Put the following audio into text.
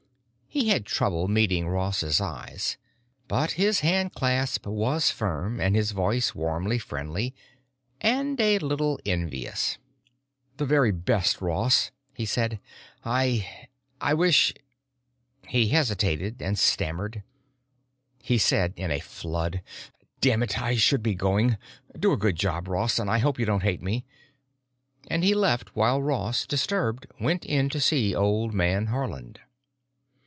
He had trouble meeting Ross's eyes, but his handclasp was firm and his voice warmly friendly—and a little envious. "The very best, Ross," he said. "I—I wish——" He hesitated and stammered. He said, in a flood, "Damn it, I should be going! Do a good job, Ross—and I hope you don't hate me." And he left while Ross, disturbed, went in to see old man Haarland.